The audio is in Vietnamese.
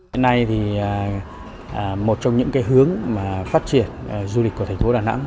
hôm nay thì một trong những hướng phát triển du lịch của thành phố đà nẵng